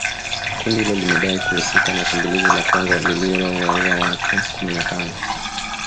Kundi hilo limedai kuhusika na shambulizi la Kongo lililouwa watu kumi na tano